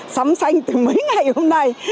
sắm xanh từ mấy ngày hôm nay